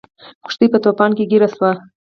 کښتۍ په طوفان کې ګیره شوه.